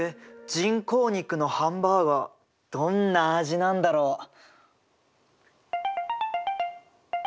人工肉のハンバーガーどんな味なんだろう。